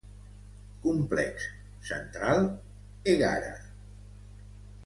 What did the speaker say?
Complex Central Egara.